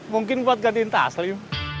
mungkin buat gantiin taslim